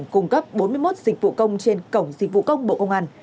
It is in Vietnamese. cung cấp bốn mươi một dịch vụ công trên cổng dịch vụ công bộ công an